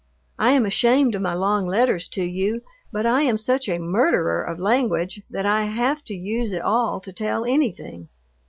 I am ashamed of my long letters to you, but I am such a murderer of language that I have to use it all to tell anything.